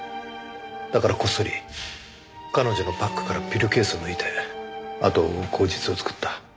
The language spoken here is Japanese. だからこっそり彼女のバッグからピルケースを抜いてあとを追う口実を作った。